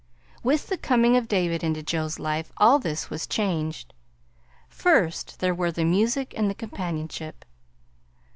With the coming of David into Joe's life all this was changed. First, there were the music and the companionship.